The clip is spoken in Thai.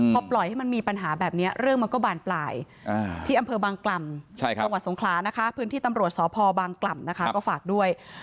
พอปล่อยให้มันมีปัญหาแบบนี้เรื่องมันก็บานปลายที่อำเภอบางกล่ำจังหวัดสงขลานะคะพื้นที่ตำรวจสพบางกล่ำนะคะก็ฝากด้วย